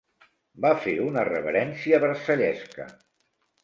Va fer una reverència versallesca.